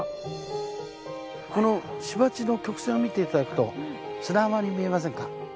この芝地の曲線を見て頂くと砂浜に見えませんか？